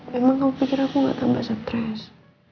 memang aku pikir aku gak tambah stres